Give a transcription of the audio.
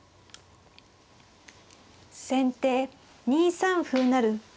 先手２三歩成。